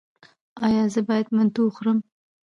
ایا زه باید منتو وخورم؟